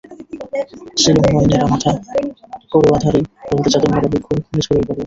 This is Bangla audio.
সিলোনময় নেড়া মাথা, করোয়াধারী, হলদে চাদর মোড়া ভিক্ষু-ভিক্ষুণী ছড়িয়ে পড়ল।